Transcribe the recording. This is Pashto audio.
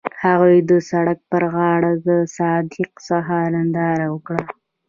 هغوی د سړک پر غاړه د صادق سهار ننداره وکړه.